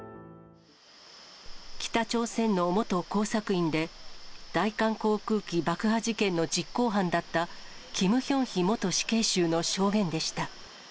北朝鮮の元工作員で、大韓航空機爆破事件の実行犯だったキム・ヒョンヒ元死刑囚の証言